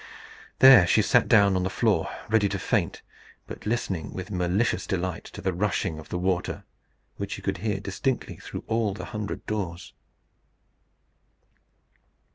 There she sat down on the floor ready to faint, but listening with malicious delight to the rushing of the water, which she could hear distinctly through all the hundred doors.